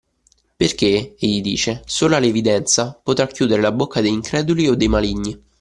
Perché, egli dice, sola la evidenza potrà chiudere la bocca degli increduli o dei maligni.